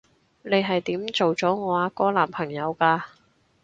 你係點做咗我阿哥男朋友㗎？